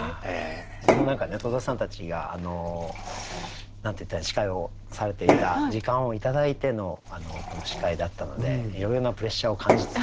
僕も何かね戸田さんたちが何て言ったらいいか司会をされていた時間を頂いてのこの司会だったのでいろいろなプレッシャーを感じつつだったんですけど。